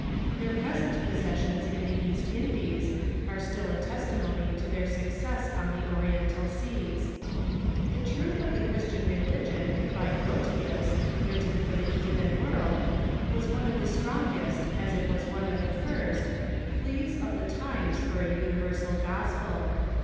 Their present possessions in the East Indies are still a testimony to their success on the Oriental seas. "The Truth of the Christian Religion," by Grotius, written for the heathen world, was one of the strongest, as it was one of the first, pleas CONTINENTAL COLONIES 451 of the times for a utiiversal gospel.